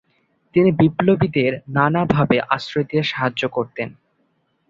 তিনি বিপ্লবীদের নানা ভাবে আশ্রয় দিয়ে সাহায্য করতেন।